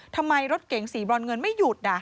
ทำไมรถเก๋งสีบรอนเงินไม่หยุด